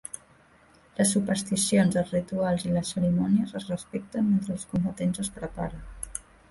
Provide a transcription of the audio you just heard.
Les supersticions, els rituals i les cerimònies es respecten mentre els combatents es preparen.